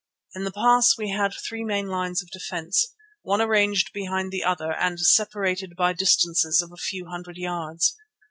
In the pass we had three main lines of defence, one arranged behind the other and separated by distances of a few hundred yards.